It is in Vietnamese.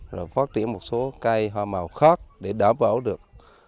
rồi phát triển một số cây hoa màu khác để đảm bảo được